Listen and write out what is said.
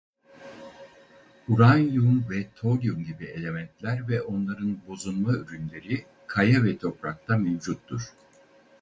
Uranyum ve toryum gibi elementler ve onların bozunma ürünleri kaya ve toprakta mevcuttur.